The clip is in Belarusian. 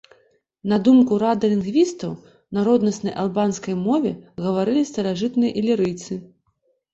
На думку рада лінгвістаў, на роднаснай албанскай мове гаварылі старажытныя ілірыйцы.